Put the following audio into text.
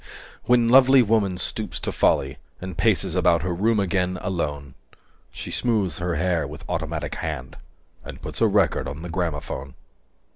When lovely woman stoops to folly and Paces about her room again, alone, She smoothes her hair with automatic hand, 255 And puts a record on the gramophone.